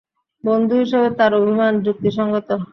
বন্ধু হিসেবে তার অভিমান যুক্তিসংগত।